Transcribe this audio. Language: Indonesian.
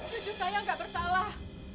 cucu saya gak bersalah